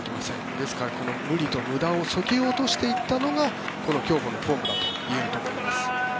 ですから無理と無駄をそぎ落としていったのがこの競歩のフォームだといえます。